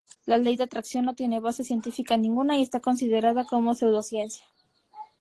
La Ley de Atracción no tiene base científica ninguna y está considerada como pseudociencia.